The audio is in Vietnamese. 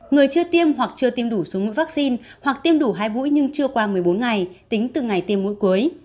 người chưa tiêm hoặc chưa tiêm đủ số mũi vaccine hoặc tiêm đủ hai mũi nhưng chưa qua một mươi bốn ngày tính từ ngày tiêm mũi cuối